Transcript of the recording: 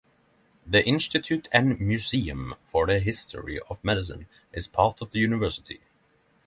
The Institute and Museum for the History of Medicine is part of the university.